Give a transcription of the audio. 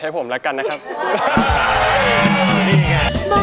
เหมือนพี่ก็ร้องผิดให้ผมแล้วกันนะครับ